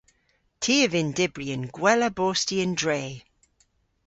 Ty a vynn dybri y'n gwella bosti y'n dre.